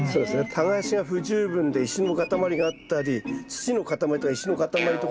耕しが不十分で石の塊があったり土の塊とか石の塊とかね